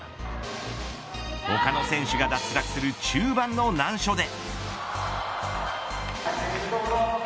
他の選手が脱落する中盤の難所で。